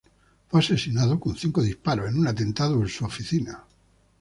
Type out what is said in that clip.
Fue asesinado con cinco disparos en un atentado en su oficina.